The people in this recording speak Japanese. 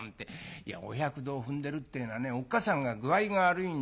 いやお百度を踏んでるってえのはねおっかさんが具合が悪いんだよ。